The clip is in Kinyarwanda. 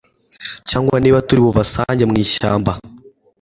cyangwa niba turi bubasange mu ishyamba.